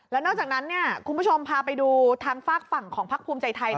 แล้วนอกจากนั้นคุณผู้ชมพาไปดูทางฝากฝั่งของพักภูมิใจไทย